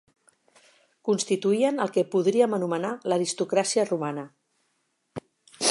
Constituïen el que podríem anomenar l'aristocràcia romana.